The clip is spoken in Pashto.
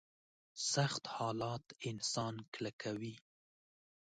سخت حالات انسان کلکوي.